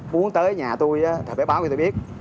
muốn tới nhà tôi thầy phải báo cho tôi biết